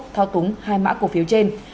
thao túng hai mã cổ phiếu trên